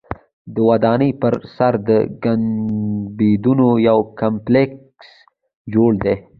د ودانۍ پر سر د ګنبدونو یو کمپلیکس جوړ دی.